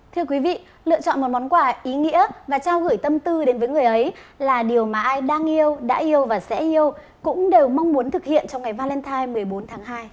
thưa quý vị lựa chọn một món quà ý nghĩa và trao gửi tâm tư đến với người ấy là điều mà ai đang yêu đã yêu và sẽ yêu cũng đều mong muốn thực hiện trong ngày valentine một mươi bốn tháng hai